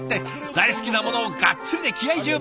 大好きなものをがっつりで気合い十分。